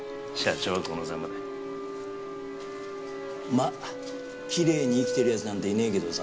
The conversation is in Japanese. まあきれいに生きてる奴なんていねえけどさ